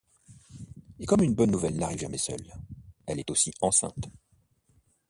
Et comme une bonne nouvelle n'arrive jamais seule, elle est aussi enceinte.